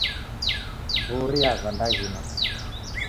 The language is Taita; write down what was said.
Mburi yava ndaghina.